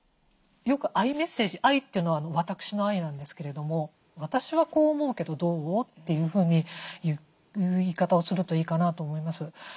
よくＩメッセージＩというのは私のＩなんですけれども「私はこう思うけどどう？」というふうに言う言い方をするといいかなと思います。